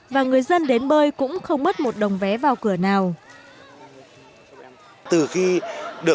và người dân đến bơi cũng không mất một đồng vé vào cửa nào